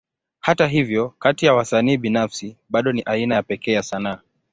Hata hivyo, kati ya wasanii binafsi, bado ni aina ya pekee ya sanaa.